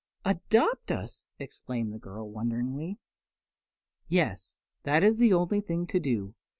"Adopt us!" exclaimed the girl, wonderingly. "Yes, that is the only thing to do.